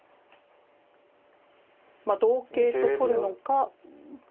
まあ同桂と取るのか。